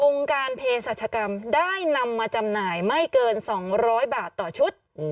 การเพศรัชกรรมได้นำมาจำหน่ายไม่เกิน๒๐๐บาทต่อชุด